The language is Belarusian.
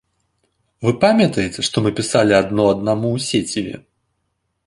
Вы памятаеце, што мы пісалі адно аднаму ў сеціве?